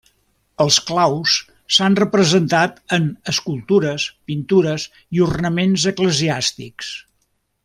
Els claus s'han representat en escultures, pintures i ornaments eclesiàstics.